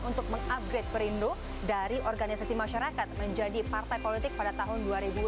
haritano memutuskan untuk upgrade perindo dari organisasi masyarakat menjadi partai politik pada tahun dua ribu lima belas